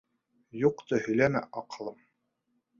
— Юҡты һөйләмә, аҡыллым.